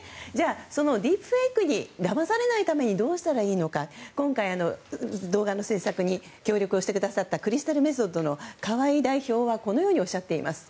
そのディープフェイクにだまされないためにどうしたらいいのか今回、動画の制作に協力をしてくださったクリスタルメソッドの河合代表はこのようにおっしゃっています。